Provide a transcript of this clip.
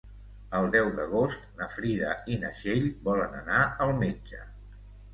El deu d'agost na Frida i na Txell volen anar al metge.